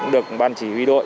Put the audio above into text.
được ban chỉ huy đội